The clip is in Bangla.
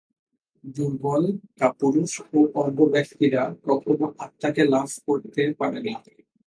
দুর্বল, কাপুরুষ ও অজ্ঞ ব্যক্তিরা কখনও আত্মাকে লাভ করতে পারে না।